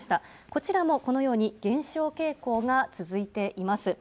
こちらもこのように減少傾向が続いています。